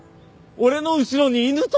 俺の後ろに犬と立つな！